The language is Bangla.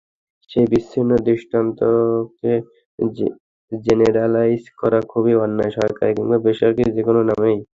সেই বিচ্ছিন্ন দৃষ্টান্তকে জেনেরালাইজ করা খুবই অন্যায়, সরকারি কিংবা বেসরকারি যেকোনো নামেই।